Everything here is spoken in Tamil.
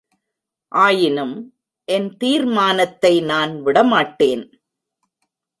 ஆயினும், என் தீர்மானத்தை நான் விடமாட்டேன்!